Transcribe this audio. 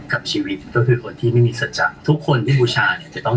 กับชีวิตก็คือคนที่ไม่มีสัจจะทุกคนที่บูชาเนี่ยจะต้อง